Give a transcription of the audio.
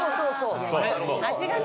味がね。